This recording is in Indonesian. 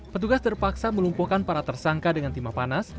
petugas terpaksa melumpuhkan para tersangka dengan timah panas